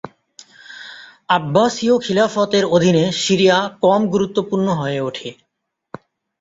আব্বাসীয় খিলাফতের অধীনে সিরিয়া কম গুরুত্বপূর্ণ হয়ে উঠে।